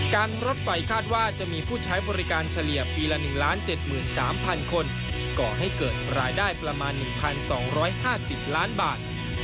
การรถไฟคาดว่าจะมีผู้ใช้บริการเฉลี่ยปีละ๑๗๓๐๐คนก่อให้เกิดรายได้ประมาณ๑๒๕๐ล้านบาท